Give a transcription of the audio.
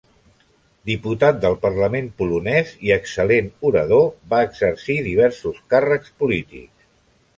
Diputat del Parlament polonès i excel·lent orador, va exercir diversos càrrecs polítics.